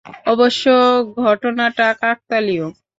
অবশ্য ঘটনাটা কাকতালীয়।